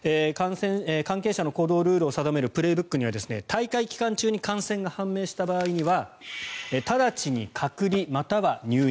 関係者の行動ルールを定める「プレーブック」には大会期間中に感染が判明した場合には直ちに隔離、または入院。